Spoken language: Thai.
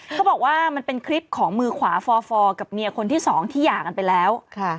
เขาบอกว่ามันเป็นคลิปของมือขวาฟอร์กับเมียคนที่สองที่หย่ากันไปแล้ว